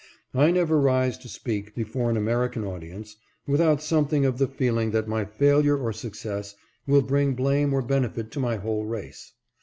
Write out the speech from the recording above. I never rise to speak before an American audience without something of the feeling that my failure or success will bring blame or benefit to my whole race.